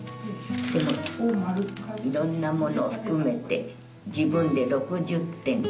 でもいろんなものを含めて自分で６０点。